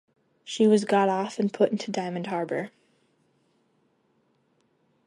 She was got off and put into Diamond Harbour.